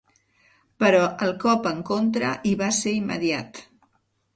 Però el cop en contra hi va ser immediat.